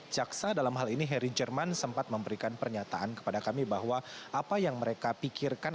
jaksa dalam hal ini harry jerman sempat memberikan pernyataan kepada kami bahwa apa yang mereka pikirkan